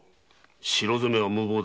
城攻めは無謀だ。